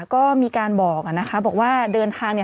ก็มีการบอกนะคะบอกว่าเดินทาง